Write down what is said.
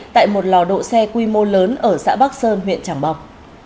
tại một lò độ xe quy mô lớn ở xã bắc sơn huyện trảng bòng